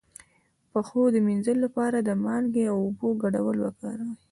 د پښو د مینځلو لپاره د مالګې او اوبو ګډول وکاروئ